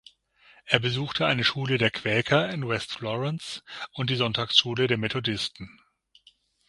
Er besuchte eine Schule der Quäker in West Florence und die Sonntagsschule der Methodisten.